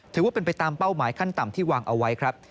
ถือว่าเป็นไปตามเป้าหมายขั้นต่ำที่วางเอาไว้ครับ